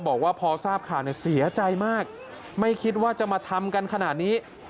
บอกว่าพอทราบข่าวเนี่ยเสียใจมากไม่คิดว่าจะมาทำกันขนาดนี้